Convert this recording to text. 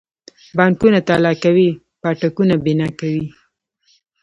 بانکونه تالا کوي پاټکونه بنا کوي.